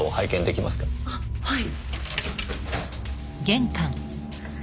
あっはい。